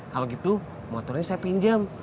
kalau gitu motornya saya pinjam